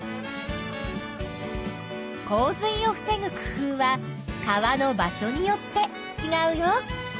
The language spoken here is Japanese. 洪水を防ぐ工夫は川の場所によってちがうよ。